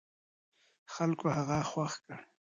خلکو هغه خوښ کړ.